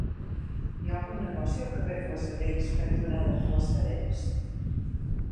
Hi ha algun negoci al carrer Flassaders cantonada Flassaders?